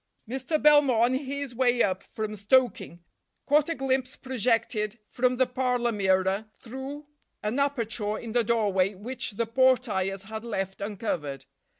Mr. Belmore, on his way up from stoking, caught a glimpse projected from the parlor mirror through an aperture in the doorway which the porti—res had left uncovered.